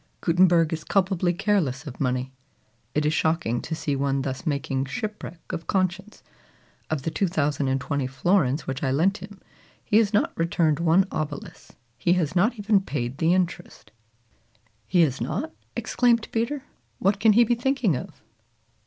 Gutenberg is culpably careless of money. It is shocking to see one thus making shipwreck of conscience. Of the 2,020 florins which I lent him, he has not returned one obolus. He has not even paid the interest." "He has not!" exclaimed Peter. "What can he be thinking of?"